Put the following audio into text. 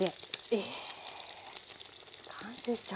え完成しちゃう。